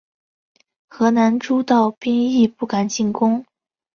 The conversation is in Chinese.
河南诸道兵亦不敢进攻。